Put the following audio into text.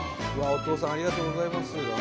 お父さんありがとうございます。